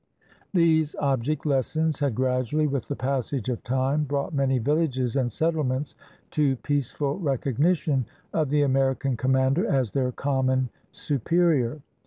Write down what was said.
These object lessons had gradually, with the passage of time, brought many villages and settlements to peaceful recognition of the American commander as their common superior.